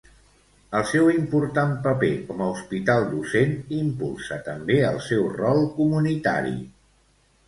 El seu important paper com a hospital docent impulsa també el seu rol comunitari.